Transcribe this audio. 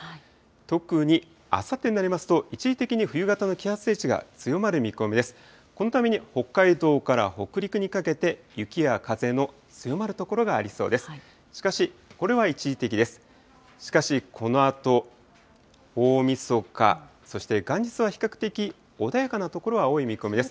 特にあさってになりますと、一時的に冬型の気圧配置が強まる見込みです。